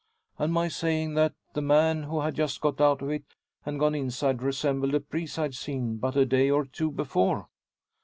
"And my saying that the man who had just got out of it, and gone inside, resembled a priest I'd seen but a day or two before?"